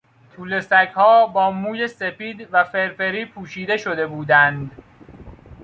توله سگها با موی سپید و فرفری پوشیده شده بودند.